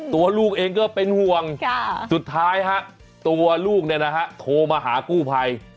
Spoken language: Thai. ตัวลูกเองก็เป็นห่วงสุดท้ายตัวลูกโทรมาหากู้ภัย